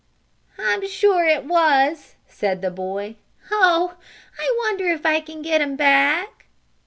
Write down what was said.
"I'm sure it was," said the boy. "Oh, I wonder if I can get him back?"